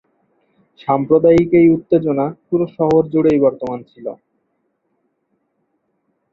সাম্প্রদায়িক এই উত্তেজনা পুরো শহর জুড়েই বর্তমান ছিল।